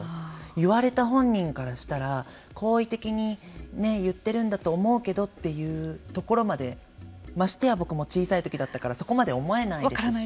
言われた本人からしたら好意的に言ってるんだと思うけどというところまでましてや僕も小さいときだったからそこまで思えないですし。